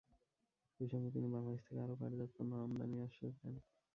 একই সঙ্গে তিনি বাংলাদেশ থেকে আরও পাটজাত পণ্য আমদানির আশ্বাস দেন।